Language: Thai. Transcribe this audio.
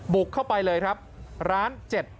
บุกเข้าไปเลยครับร้าน๗๐